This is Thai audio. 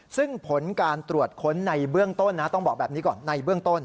ซึ่งผลการตรวจค้นในเบื้องต้นนะต้องบอกแบบนี้ก่อนในเบื้องต้น